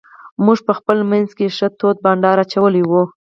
موږ په خپل منځ کې ښه تود بانډار اچولی وو.